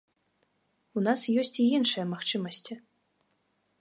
У нас ёсць і іншыя магчымасці.